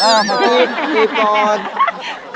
อ้าวมาจีบจีบก่อน